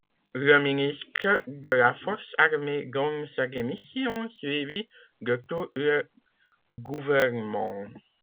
Le ministre de la Force armée donne sa démission, suivi de tout le gouvernement.